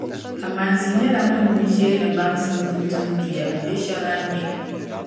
Amanze nyɛla ŋun nucheeni baŋsim du tiŋduya, di shɛŋa nyɛ: